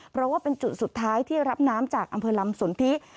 เพราะว่าเป็นจุดสุดท้ายที่รับน้ำจากอำเภอลำสนทิ